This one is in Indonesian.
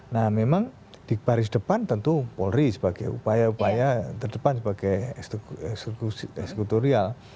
nah memang di baris depan tentu polri sebagai upaya upaya terdepan sebagai eksekutorial